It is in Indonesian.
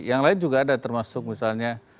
yang lain juga ada termasuk misalnya